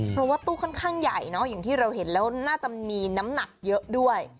เพราะว่าตู้ค่อนข้างใหญ่เนอะอย่างที่เราเห็นแล้วน่าจะมีน้ำหนักเยอะด้วย